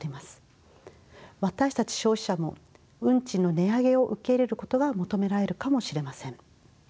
私たち消費者も運賃の値上げを受け入れることが求められるかもしれません。